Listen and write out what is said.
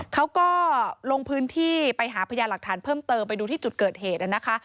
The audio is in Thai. เขาก็ลงพื้นที่ไปหาพยานหลักฐานเพิ่มเติมไปดูที่จุดเกิดเหตุนะคะ